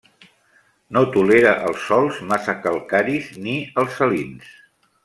No tolera els sòls massa calcaris ni els salins.